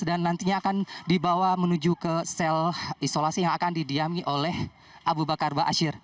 dan nantinya akan dibawa menuju ke sel isolasi yang akan didiami oleh abu bakar aba asyir